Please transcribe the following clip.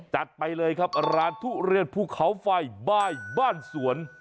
ไปเลยครับร้านทุเรียนภูเขาไฟบ้ายบ้านสวน